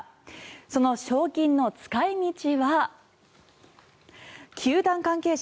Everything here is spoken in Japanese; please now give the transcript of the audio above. その賞金の使い道は球団関係者